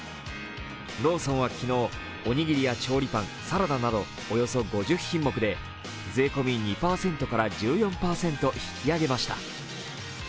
ローソンは昨日、おにぎりや調理パン、サラダなどおよそ５０品目で税込み２％から１４％引き上げました。